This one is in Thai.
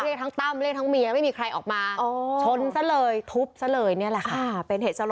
เรียกทั้งตั้มเรียกทั้งเมียไม่มีใครออกมาชนซะเลยทุบซะเลยนี่แหละค่ะเป็นเหตุสลด